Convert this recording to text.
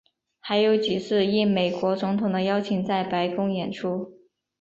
还有几次应美国总统的邀请在白宫演出。